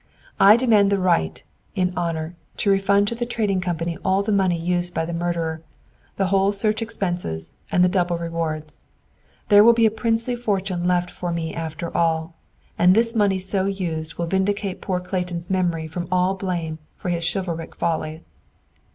I demand the right, in honor, to refund to the Trading Company all the money used by the murderer, the whole search expenses, and the double rewards. There will be a princely fortune left for me after all, and this money so used will vindicate poor Clayton's memory from all blame for his chivalric folly."